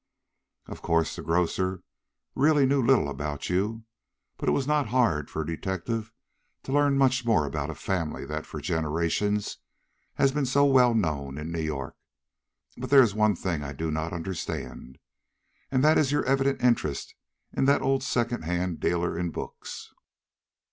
"Of course the grocer really knew little about you, but it was not hard for a detective to learn much more about a family that, for generations, has been so well known in New York. But there is one thing I do not understand, and that is your evident interest in that old second hand dealer in books."